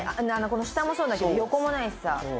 この下もそうだけど横もないしさ。